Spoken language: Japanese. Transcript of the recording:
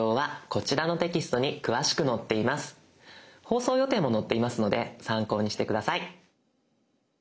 放送予定も載っていますので参考にして下さい。